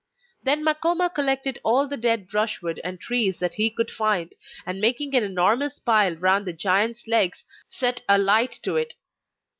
Then Makoma collected all the dead brushwood and trees that he could find, and making an enormous pile round the giant's legs, set a light to it.